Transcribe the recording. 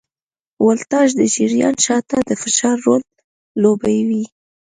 ولتاژ د جریان شاته د فشار رول لوبوي.